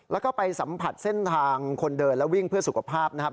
แล้วก็ไปสัมผัสเส้นทางคนเดินและวิ่งเพื่อสุขภาพนะครับ